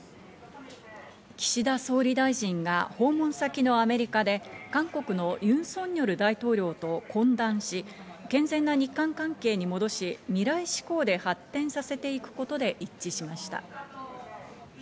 岸田総理大臣が訪問先のアメリカで韓国のユン・ソンニョル大統領と懇談し、健全な日韓関係に戻し、未来志向で発展させていくことで一致しました。